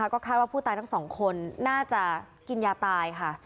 ก็คาดว่าผู้ตายทั้งสองคนน่าจะกินยาตายค่ะ